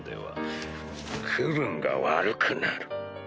気分が悪くなる。